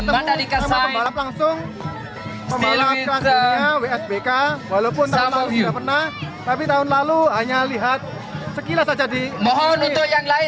wissop pekah walaupun tak pernah tapi tahun lalu hanya lihat sekilas jadi mohon untuk yang lagi